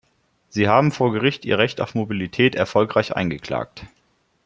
Sie haben vor Gericht ihr Recht auf Mobilität erfolgreich eingeklagt.